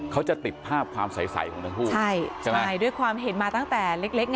เขาจะติดภาพความใสของทั้งคู่ใช่ใช่ไหมด้วยความเห็นมาตั้งแต่เล็กเล็กไง